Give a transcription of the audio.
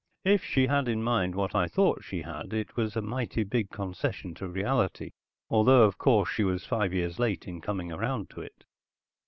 If she had in mind what I thought she had it was a mighty big concession to reality, although, of course, she was five years late in coming around to it.